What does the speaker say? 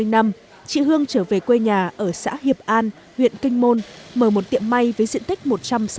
năm hai nghìn năm chị hương trở về quê nhà ở xã hiệp an huyện kinh môn mở một tiệm may với diện tích một trăm sáu mươi m hai